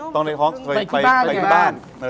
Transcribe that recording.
ตอนในท่องเคยไปคนกินบ้าน